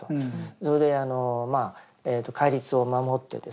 それで戒律を守ってですね